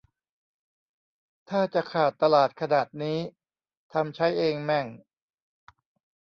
ถ้าจะขาดตลาดขนาดนี้ ทำใช้เองแม่ง